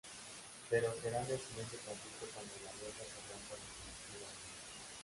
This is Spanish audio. Pero será en el siguiente conflicto cuando la alianza se rompa definitivamente.